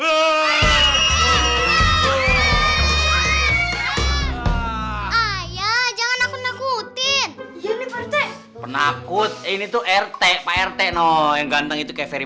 ayah jangan aku nakutin ya nge rap penakut ini tuh rt rt no yang ganteng itu keferi